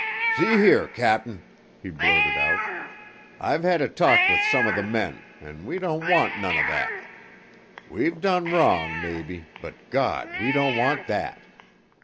"See here, Cap'n," he blurted out, "I've had a talk with some of the men, an' we don't want none er that. We've done wrong, maybe, but, Gawd, we don't want thet.